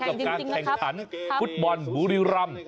กับการแข่งขันฟุตบอลบุรีรำ